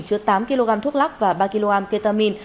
chứa tám kg thuốc lắc và ba kg ketamin